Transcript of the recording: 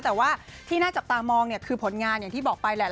แต่ว่าที่น่าจับตามองเนี่ยคือผลงานอย่างที่บอกไปแหละ